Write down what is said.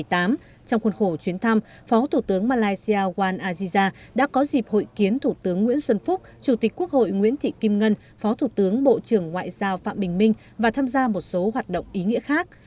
trong khuôn khổ chuyến thăm phó thủ tướng malaysia wan aziza đã có dịp hội kiến thủ tướng nguyễn xuân phúc chủ tịch quốc hội nguyễn thị kim ngân phó thủ tướng bộ trưởng ngoại giao phạm bình minh và tham gia một số hoạt động ý nghĩa khác